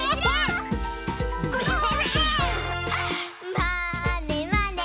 「まーねまね」